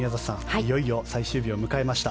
いよいよ最終日を迎えました。